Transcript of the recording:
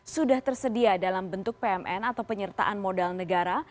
sudah tersedia dalam bentuk pmn atau penyertaan modal negara